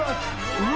うわ。